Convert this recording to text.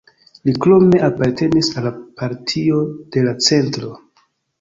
Li krome apartenis al la Partio de la Centro.